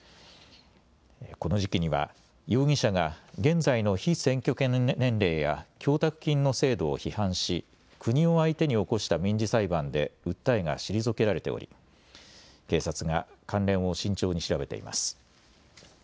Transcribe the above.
この時期には容疑者が現在の被選挙権年齢や供託金の制度を批判し国を相手に起こした民事裁判で訴えが退けられており警察が関連を慎重に調べています。